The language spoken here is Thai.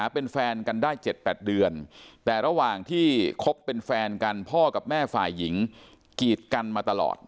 เป็นแฟนกันพ่อกับแม่ฝ่ายหญิงกีดกันมาตลอด